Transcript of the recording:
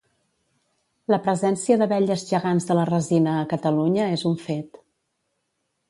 La presència d'abelles gegants de la resina a Catalunya és un fet.